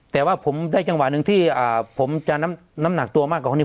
แต่ว่าผมได้จังหวะหนึ่งที่ผมจะน้ำหนักตัวมากกว่าพวกนี้